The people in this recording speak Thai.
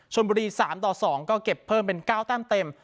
ชนบุรีร์สามต่อสองก็เก็บเพิ่มเป็นเก้าแต้นเต็ม